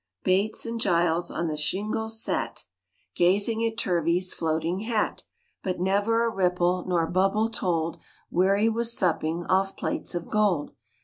... Bates and Giles On the shingle sat, RAINBOW GOLD Gazing at Turvey's Floating hat. But never a ripple Nor bubble told Where he was supping Off plates of gold.